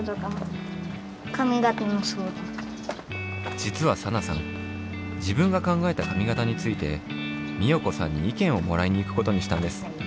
じつはサナさん自分が考えた髪型について美代子さんにいけんをもらいに行くことにしたんです。